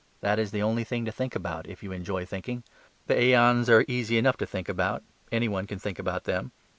that is the only thing to think about, if you enjoy thinking. The aeons are easy enough to think about, any one can think about them.